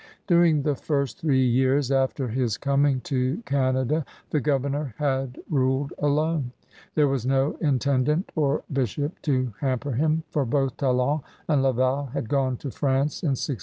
During the first three years after his coming to Canada, the governor had ruled alone. There was no intendant or bishop to hamper him, for both Talon and Laval had gone to France in 1672.